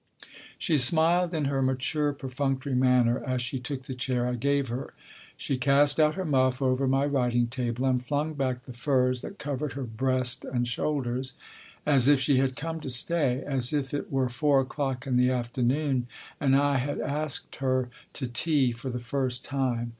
She smiled in her mature, perfunctory manner as she took the chair I gave her. She cast out her muff over my writing table, and flung back the furs that covered her breast and shoulders, as if she had come to stay, as if it were four o'clock in the afternoon and I had asked her to tea for the first time.